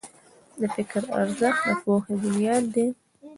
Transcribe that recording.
د فکر ارزښت د پوهې بنیاد دی.